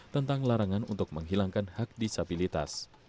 tentang larangan untuk menghilangkan hak disabilitas